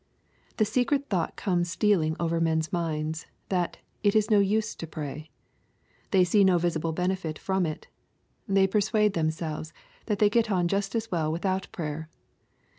The secret thought comes stealing over men's minds, that " it is no use to pray." They see no visible ben efit from it. They persuade themselves that they get on just as well without prayer.